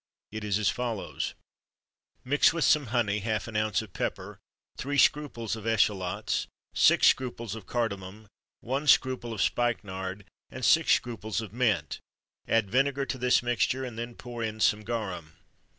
It is as follows: Mix with some honey, half an ounce of pepper, three scruples of eschalots, six scruples of cardamum, one scruple of spikenard, and six scruples of mint; add vinegar to this mixture, and then pour in some garum.